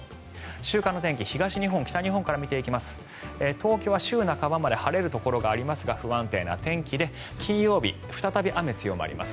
週間の天気、東日本北日本東京は週半ばまで晴れるところがありますが不安定な天気で金曜日、再び雨が強まります。